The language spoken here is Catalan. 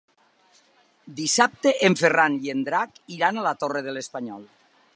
Dissabte en Ferran i en Drac iran a la Torre de l'Espanyol.